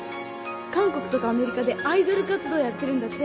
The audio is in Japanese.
韓国とかアメリカでアイドル活動やってるんだって